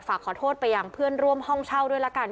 ฝากขอโทษไปยังเพื่อนร่วมห้องเช่าด้วยละกัน